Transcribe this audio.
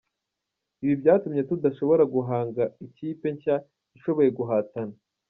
"Ibi byatumye tudashobora guhanga ikipe nshya ishoboye guhatana.